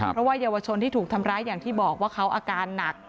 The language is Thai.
เพราะว่าเยาวชนที่ถูกทำร้ายอย่างที่บอกว่าเขาอาการหนัก